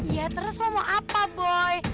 ya terus lo mau apa boy